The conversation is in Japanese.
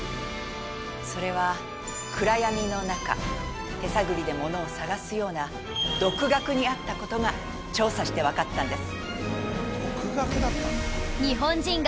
それは暗闇の中手探りでものを探すような独学にあった事が調査してわかったんです。